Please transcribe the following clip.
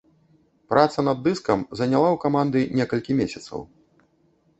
Праца над дыскам заняла ў каманды некалькі месяцаў.